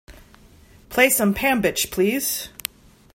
Play some pambiche please